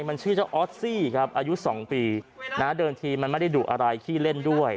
มันชื่อเจ้าออสซี่ครับอายุ๒ปีนะเดินทีมันไม่ได้ดุอะไรขี้เล่นด้วย